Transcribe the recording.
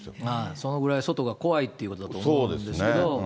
そのぐらい外が怖いってことだと思うんですけど。